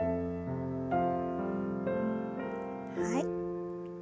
はい。